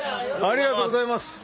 ありがとうございます。